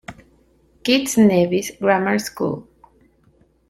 Kitts-Nevis Grammar School.